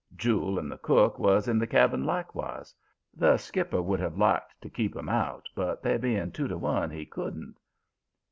Jule and the cook was in the cabin likewise. The skipper would have liked to keep 'em out, but they being two to one, he couldn't.